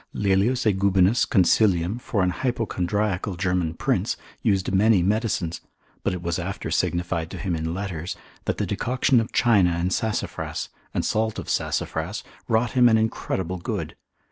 Laelius Aegubinus consil. for an hypochondriacal German prince, used many medicines; but it was after signified to him in letters, that the decoction of China and sassafras, and salt of sassafras wrought him an incredible good.